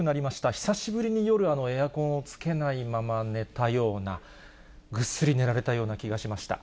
久しぶりに夜、エアコンをつけないまま寝たような、ぐっすり寝られたような気がしました。